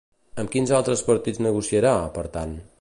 Amb quins altres partits negociarà, per tant?